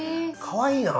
かわいいな。